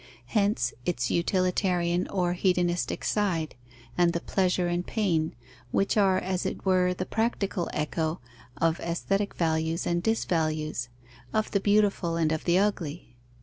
Hence its utilitarian or hedonistic side, and the pleasure and pain, which are, as it were, the practical echo of aesthetic values and disvalues, of the beautiful and of the ugly.